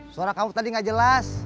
suara kamu tadi nggak jelas